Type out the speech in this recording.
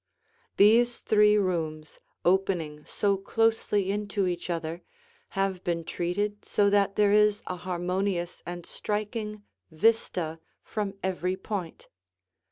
These three rooms opening so closely into each other have been treated so that there is a harmonious and striking vista from every point.